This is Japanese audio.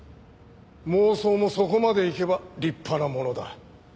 妄想もそこまでいけば立派なものだ。